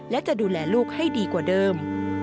และจะดูแลลูกให้ดีกว่าเดิม